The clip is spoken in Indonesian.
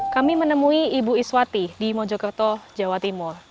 kami menemui ibu iswati di mojokerto jawa timur